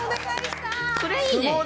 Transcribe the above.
それいいね。